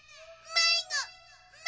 まいご！